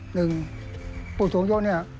หนึ่งผู้ส่วนโยชน์นี่